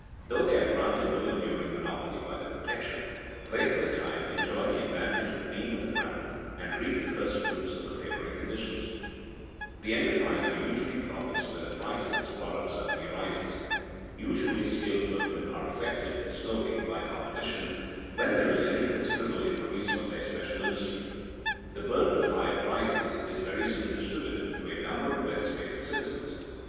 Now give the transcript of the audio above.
Though they are granted no enduring monopoly by the protection, they for the time enjoy the advantage of being on the ground and reap the first fruits of the favoring conditions. The enterpriser usually profits when the price of his product suddenly rises. Usually skilled workmen are affected slowly by competition when there is any considerable increase of their special industry. The burden of higher prices is very soon distributed to a number of less favored citizens.